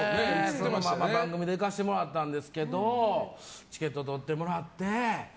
番組で行かせてもらったんですけどチケットとってもらって。